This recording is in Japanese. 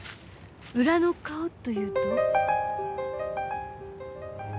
裏の顔というと？